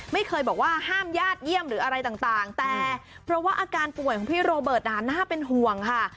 ไม่เคยบอกว่าห้ามญาติเยี่ยมหรืออะไรต่างแต่เพราะว่าอาการป่วยของพี่โรเบิร์ตน่าเป็นห่วงค่ะ